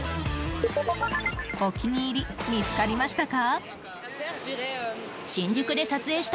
お気に入り、見つかりましたか？